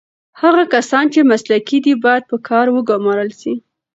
هغه کسان چې مسلکي دي باید په کار وګمـارل سي.